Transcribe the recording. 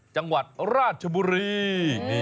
จังหวัดราชบุรี